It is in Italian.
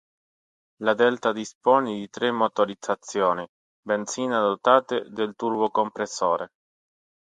La Delta dispone di tre motorizzazioni benzina dotate del turbocompressore.